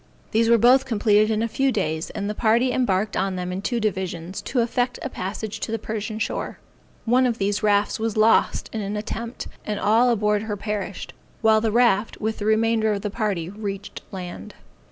These were both completed in a few days, and the party embarked on them in two divisions, to effect a passage to the Persian shore. One of these rafts was lost in the attempt, and all on board her perished; while the raft, with the remainder of the party reached land.